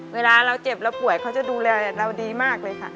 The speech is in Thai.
เวลาเราเจ็บเราป่วยเขาจะดูแลเราดีมากเลยค่ะ